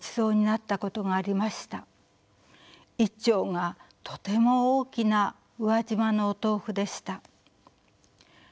一丁がとても大きな宇和島のお豆腐でした。